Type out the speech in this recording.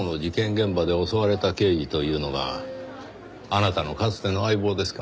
現場で襲われた刑事というのがあなたのかつての相棒ですか？